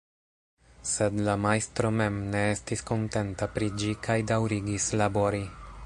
Sed la majstro mem ne estis kontenta pri ĝi kaj daŭrigis labori.